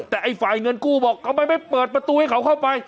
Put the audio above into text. แต่ไอ้ฝ่ายเงินกู้บอกทำไมไม่เปิดประตูให้เขาเข้าไป